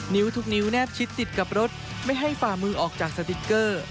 นิ้วทุกนิ้วแนบชิดติดกับรถไม่ให้ฝ่ามือออกจากสติ๊กเกอร์